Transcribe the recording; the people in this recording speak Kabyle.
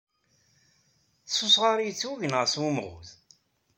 S usɣar ay yettweg neɣ s umɣuz?